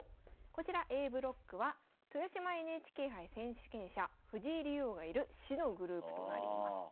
こちらＡブロックは豊島ＮＨＫ杯選手権者藤井竜王がいる死のグループとなります。